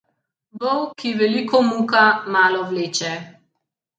Vol, ki veliko muka, malo vleče.